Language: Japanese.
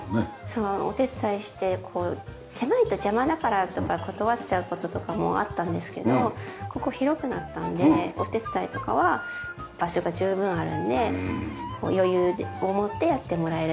そうお手伝いしてこう狭いと邪魔だからとか断っちゃう事とかもあったんですけどここ広くなったのでお手伝いとかは場所が十分あるので余裕を持ってやってもらえるって感じですね。